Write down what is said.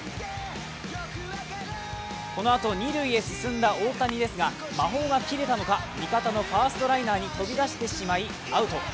このあと二塁へ進んだ大谷ですが魔法が切れたのか、味方のファーストライナーに飛び出してしまいアウト。